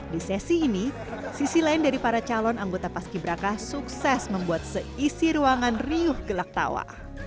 di sesi ini sisi lain dari para calon anggota paski beraka sukses membuat seisi ruangan riuh gelak tawa